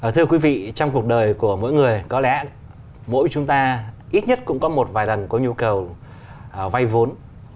thưa quý vị trong cuộc đời của mỗi người có lẽ mỗi chúng ta ít nhất cũng có một vài lần có nhu cầu vay vốn